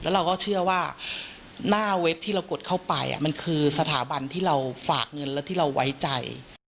เราก็เชื่อว่าหน้าเว็บที่เรากดเข้าไปมันคือสถาบันที่เราฝากเงินและที่เราไว้ใจ